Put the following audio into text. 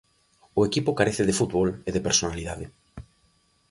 O equipo carece de fútbol e de personalidade.